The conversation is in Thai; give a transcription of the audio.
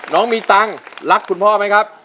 น้องมีตังค์รักคุณพ่อไหมครับ